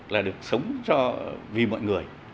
là được sống cho vì mọi người